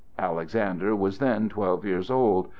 Alexander was then twelve years old.